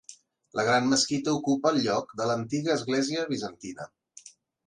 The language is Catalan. La gran mesquita ocupa el lloc de l'antiga església bizantina.